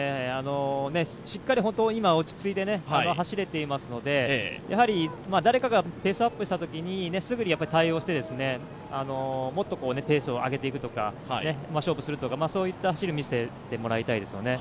しっかり今は落ち着いて走れていますので、誰かがペースアップしたときにすぐに対応してもっとペースを上げていくとかそういった走りをみせていただきたいです。